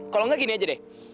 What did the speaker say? kalau enggak gini aja deh